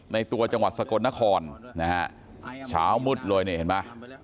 ในตัวจังหวัดสกลนครนะฮะเช้ามืดเลยนี่เห็นไหม